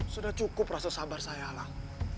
sudah cukup rasa sabar saya lah